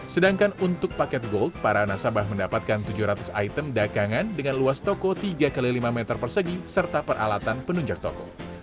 sedangkan untuk paket gold para nasabah mendapatkan tujuh ratus item dagangan dengan luas toko tiga x lima meter persegi serta peralatan penunjuk toko